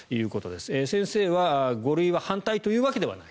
先生は５類は反対というわけではない。